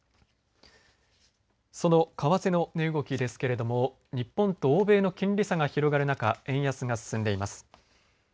その為替の値動きですけれども日本と欧米の金利差が広がる中円安が進んでいます。